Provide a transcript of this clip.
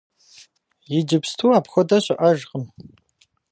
Иджыпсту апхуэдэ щыӀэжкъым.